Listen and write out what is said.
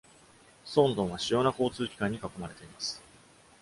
ソーンドンは主要な交通機関に囲まれています。